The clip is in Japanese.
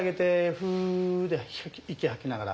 フー息吐きながら。